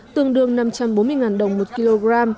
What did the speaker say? tương đương năm trăm bốn mươi đồng một kg